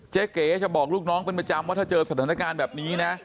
เก๋จะบอกลูกน้องเป็นประจำว่าถ้าเจอสถานการณ์แบบนี้นะ